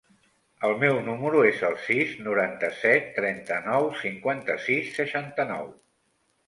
El meu número es el sis, noranta-set, trenta-nou, cinquanta-sis, seixanta-nou.